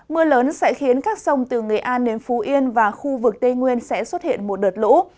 mưa lớn sẽ khiến các sông từ nghệ an đến phú yên và khu vực tây nguyên sẽ xuất hiện một đợt lũ